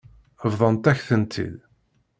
Bḍant-ak-tent-id.